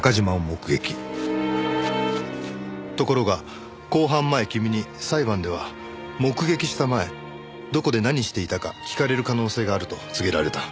ところが公判前君に裁判では目撃した前どこで何していたか聞かれる可能性があると告げられた。